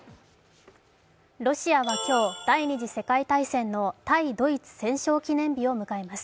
ロシアは今日、第二次世界大戦の対ドイツ戦勝記念日を迎えます。